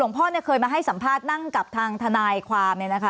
หรวงพ่อค่ะขึ้นก็มาให้สัมภาษณ์นั่งกับทางทนายความเนี่ยนะคะ